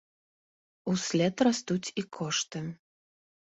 Услед растуць і кошты.